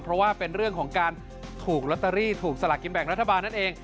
เพราะว่าเป็นเรื่องของการถูกลอตเตอรี่ถูกสลากกินแบ่งรัฐบาลนั่นเอง